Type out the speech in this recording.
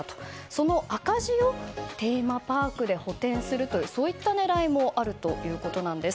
その赤字をテーマパークで補填するというそういった狙いもあるということなんです。